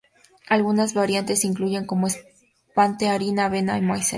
Algunas variantes incluyen como espesante harina, avena o maicena.